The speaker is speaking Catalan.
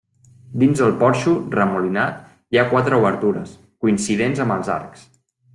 Dins el porxo, remolinat, hi ha quatre obertures, coincidents amb els arcs.